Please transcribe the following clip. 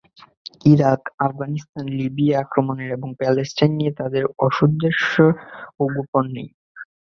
Iraq, Afghanistan, Libya আক্রমণের এবং Palestine নিয়ে তাদের অসদুদ্দেশ্যও গোপন নেই।